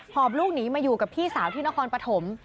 อบลูกหนีมาอยู่กับพี่สาวที่นครปฐม